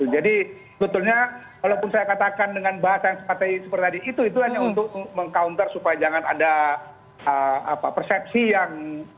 jadi betulnya walaupun saya katakan dengan bahasa yang seperti itu hanya untuk meng counter supaya jangan ada persepsi yang